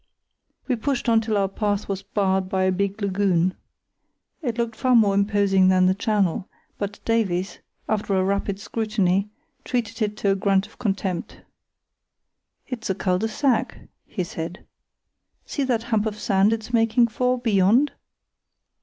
We pushed on till our path was barred by a big lagoon. It looked far more imposing than the channel; but Davies, after a rapid scrutiny, treated it to a grunt of contempt. "It's a cul de sac," he said. "See that hump of sand it's making for, beyond?"